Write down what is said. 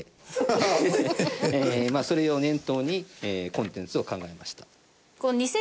それを念頭にコンテンツを考えました。